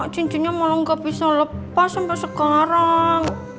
cincinnya malah nggak bisa lepas sampai sekarang